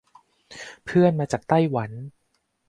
เพื่อนมาจากไต้หวัน